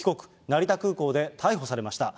成田空港で逮捕されました。